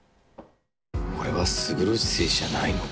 俺は勝呂寺誠司じゃないのか？